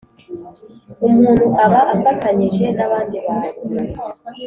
umuntu aba afatanyije n’abandi bantu,